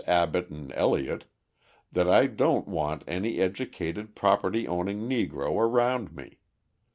Abbott and Eliot, that I don't want any educated property owning Negro around me.